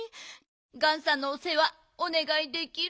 ガンさんのおせわおねがいできる？